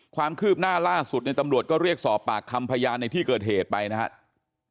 ความคืบหน้าล่าสุดในตำรวจก็เรียกสอบปากคำพยานในที่เกิดเหตุไปนะครับ